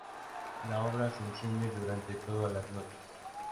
La obra se enciende durante todas las noches.